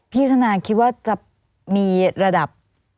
พัฒนาคิดว่าจะมีระดับ